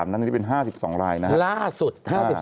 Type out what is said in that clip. อันนี้เป็น๕๒รายนะครับ